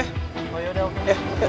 oh yaudah oke